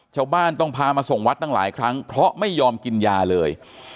ชาวบ้านต้องพามาส่งวัดตั้งหลายครั้งเพราะไม่ยอมกินยาเลย